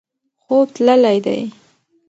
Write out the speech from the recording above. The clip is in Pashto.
خوب تللی دی.